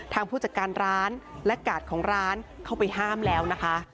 ผู้จัดการร้านและกาดของร้านเข้าไปห้ามแล้วนะคะ